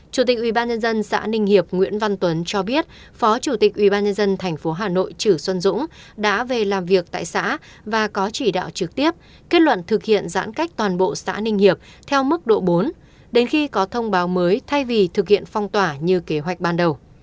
chủ tịch ubnd xã ninh hiệp nguyễn văn tuấn cho biết phó chủ tịch ubnd tp hà nội chử xuân dũng đã về làm việc tại xã và có chỉ đạo trực tiếp kết luận thực hiện giãn cách toàn bộ xã ninh hiệp theo mức độ bốn đến khi có thông báo mới thay vì thực hiện phong tỏa như kế hoạch ban đầu